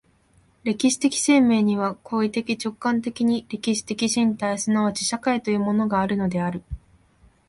歴史的生命には行為的直観的に歴史的身体即ち社会というものがあるのである。